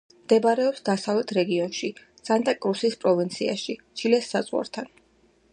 მდებარეობს დასავლეთ რეგიონში, სანტა-კრუსის პროვინციაში ჩილეს საზღვართან.